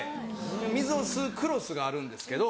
水を吸うクロスがあるんですけど。